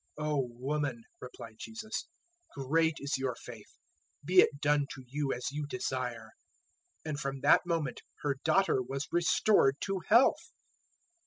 015:028 "O woman," replied Jesus, "great is your faith: be it done to you as you desire." And from that moment her daughter was restored to health.